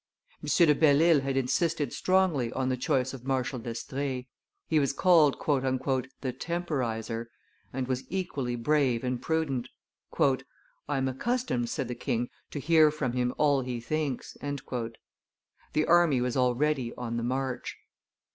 M. de Belle Isle had insisted strongly on the choice of Marshal d'Estrees; he was called "the Temporizer," and was equally brave and prudent. "I am accustomed," said the king, "to hear from him all he thinks." The army was already on the march.